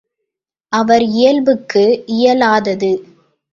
அவர் இயல்புக்கு இயலாதது.